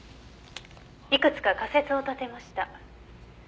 「いくつか仮説を立てました」